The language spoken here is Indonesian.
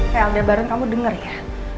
hei alda barun kamu denger ya